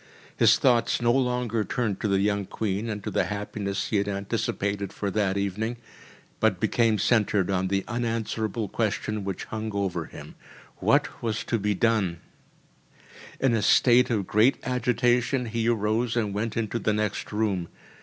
His thoughts no longer turned to the young Queen and to the happiness he had anticipated for that evening, but became centred on the unanswerable question which hung over him: “What was to be done?‚ÄĚ In a state of great agitation he arose and went into the next room.